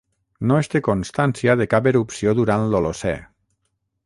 No es té constància de cap erupció durant l'Holocè.